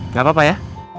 nggak papa ya